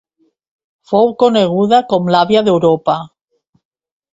Fou coneguda com l'àvia d'Europa.